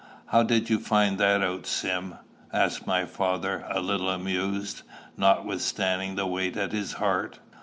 "How did you find that out, Sim?" asked my father, a little amused, notwithstanding the weight at his heart.